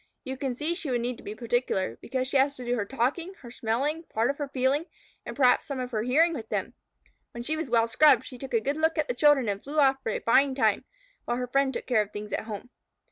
You can see she would need to be particular, because she had to do her talking, her smelling, part of her feeling, and perhaps some of her hearing with them. When she was well scrubbed, she took a good look at the children and flew off for a fine time, while her friend took care of things at home.